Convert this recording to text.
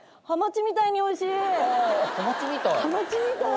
ハマチみたいにおいしい！